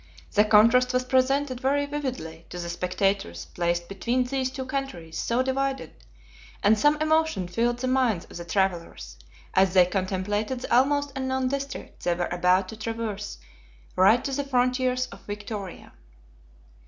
The contrast was presented very vividly to the spectators placed between these two countries so divided, and some emotion filled the minds of the travelers, as they contemplated the almost unknown district they were about to traverse right to the frontiers of Victoria.